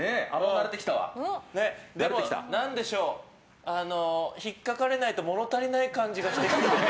何でしょう、引っかかれないと物足りない感じがしてきた。